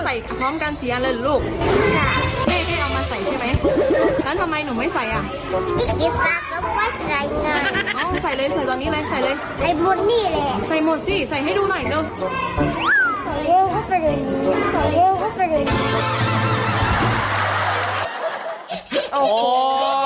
ใส่พร้อมกันสี่อันเลยลูกใช่ให้เอามาใส่ใช่ไหมแล้วทำไมหนูไม่ใส่อ่ะ